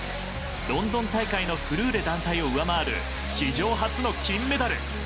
ロンドン大会のフルーレ団体を上回る史上初の金メダル。